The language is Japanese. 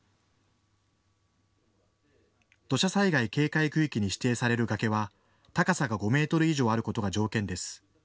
土砂災害警戒区域に指定される崖は高さが５メートル以上あることが条件です。